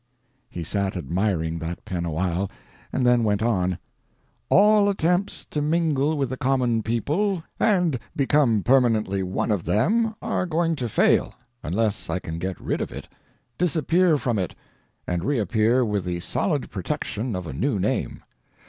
He sat admiring that pen a while, and then went on: "All attempts to mingle with the common people and become permanently one of them are going to fail, unless I can get rid of it, disappear from it, and re appear with the solid protection of a new name.